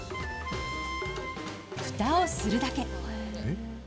ふたをするだけ。